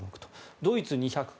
ドイツは２０９